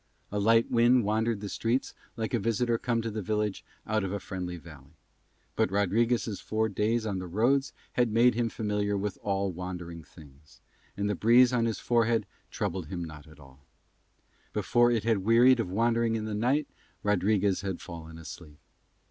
A light wind wandered the street like a visitor come to the village out of a friendly valley, but Rodriguez' four days on the roads had made him familiar with all wandering things, and the breeze on his forehead troubled him not at all: before it had wearied of wandering in the night Rodriguez had fallen asleep.